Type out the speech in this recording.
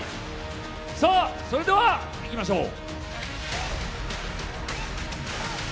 それではいきましょう。